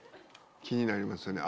気になりますよね